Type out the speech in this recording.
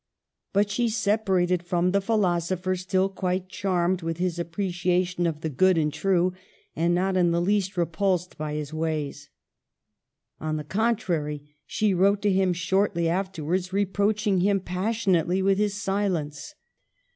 But she separated from the philosopher still quite charmed with his appreciation of the good and true, and not in the least repulsed by his ways. On the contrary, she wrote to him shortly afterwards, reproaching him passionately with his silence.